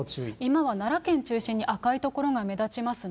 今は奈良県中心に赤い所が目立ちますね。